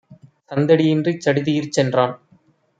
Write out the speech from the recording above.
சந்தடி யின்றிச் சடுதியிற் சென்றான்.